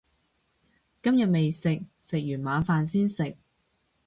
今日未食，食完晚飯先食